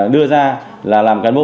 đưa ra là làm cán bộ